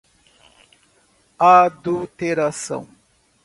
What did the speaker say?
adulteração